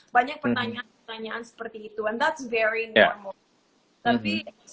banyak pertanyaan pertanyaan seperti itu dan itu sangat normal